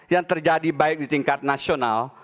yang terjadi baik di tingkat nasional